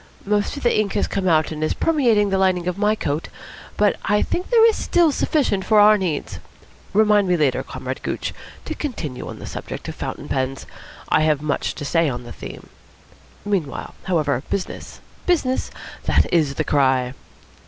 Most of the ink has come out and is permeating the lining of my coat, but I think there is still sufficient for our needs. Remind me later, Comrade Gooch, to continue on the subject of fountain pens. I have much to say on the theme. Meanwhile, however, business, business. That is the cry."